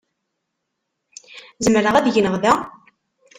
Zemreɣ ad gneɣ da?